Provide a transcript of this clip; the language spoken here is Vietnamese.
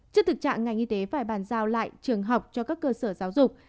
trước thực trạng ngành y tế phải bàn giao lại trường học cho các cơ sở giáo dục